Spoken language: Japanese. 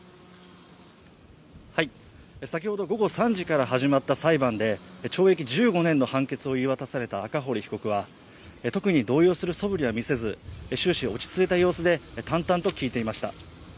先ほど午後３時から始まった裁判で懲役１５年の判決を言い渡された赤堀被告は特に動揺するそぶりは見せず、終始落ち着いた様子で淡々と聞いていました。